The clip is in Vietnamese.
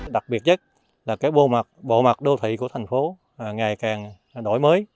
đặc biệt nhất là cái bộ mặt đô thị của thành phố ngày càng đổi mới